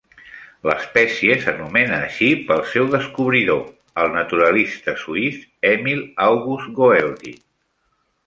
L'espècie s'anomena així pel seu descobridor, el naturalista suïs Emil August Goeldi.